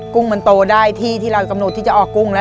กุ้งมันโตได้ที่ที่เรากำหนดที่จะออกกุ้งแล้ว